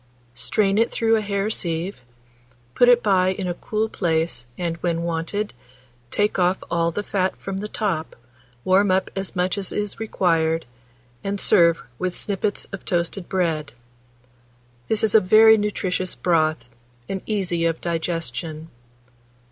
Strain it through a hair sieve; put it by in a cool place, and, when wanted, take off all the fat from the top, warm up as much as is required, and serve with sippets of toasted bread. This is a very nutritious broth, and easy of digestion.